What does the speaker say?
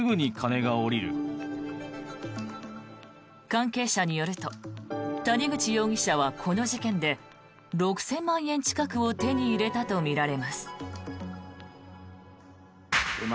関係者によると谷口容疑者はこの事件で６０００万円近くを手に入れたとみられます。